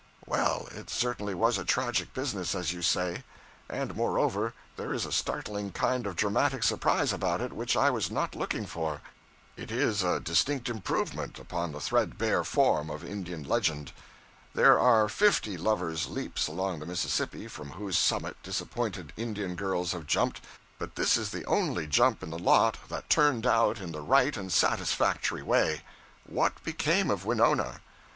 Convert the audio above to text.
'Well, it certainly was a tragic business, as you say. And moreover, there is a startling kind of dramatic surprise about it which I was not looking for. It is a distinct improvement upon the threadbare form of Indian legend. There are fifty Lover's Leaps along the Mississippi from whose summit disappointed Indian girls have jumped, but this is the only jump in the lot hat turned out in the right and satisfactory way. What became of Winona?'